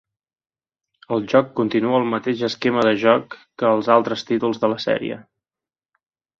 El joc continua el mateix esquema de joc que els altres títols de la sèrie.